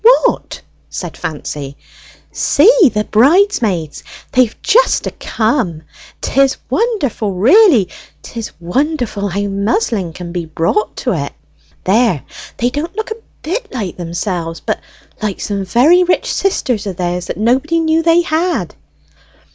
"What?" said Fancy. "See the bridesmaids! They've just a come! 'Tis wonderful, really! 'tis wonderful how muslin can be brought to it. There, they don't look a bit like themselves, but like some very rich sisters o' theirs that nobody knew they had!"